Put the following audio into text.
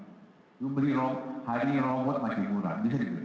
jadi kita lihat kalau teknologinya tampak hari robot masih murah bisa dibeli